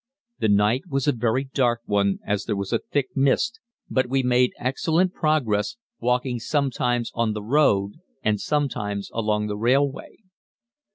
The night was a very dark one as there was a thick mist, but we made excellent progress, walking sometimes on the road and sometimes along the railway.